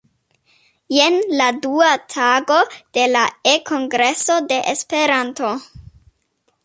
Jen la dua tago de la E-kongreso de Esperanto.